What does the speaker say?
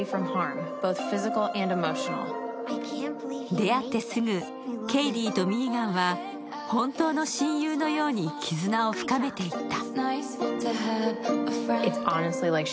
出会ってすぐケイディとミーガンは本当の親友のように絆を深めていった。